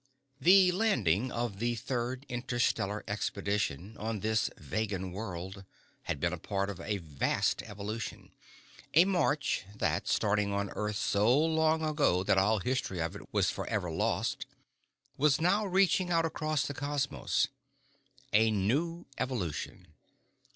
The landing of the Third Interstellar Expedition on this Vegan world had been a part of a vast evolution, a march that, starting on earth so long ago that all history of it was forever lost, was now reaching out across the cosmos. A new evolution!